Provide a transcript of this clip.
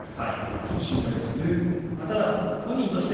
ちょっと心配です。